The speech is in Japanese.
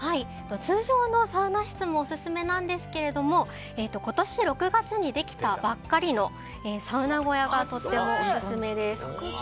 通常のサウナ室もオススメなんですけれども今年６月にできたばかりのサウナ小屋がとってもオススメです。